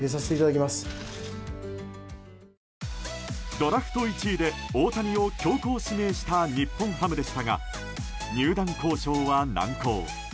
ドラフト１位で大谷を強行指名した日本ハムでしたが入団交渉は難航。